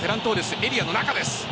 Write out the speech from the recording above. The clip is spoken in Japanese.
エリアの中です。